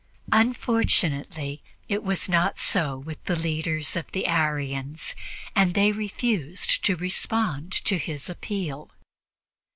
Unfortunately, it was not so with the leaders of the Arians, and they refused to respond to his appeal.